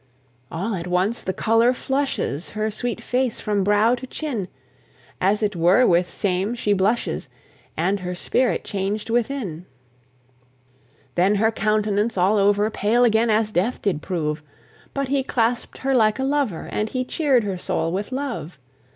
All at once the colour flushes Her sweet face from brow to chin; As it were with same she blushes, And her spirit changed within. Then her countenance all over Pale again as death did prove: But he clasp'd her like a lover, And he cheer'd her soul with love.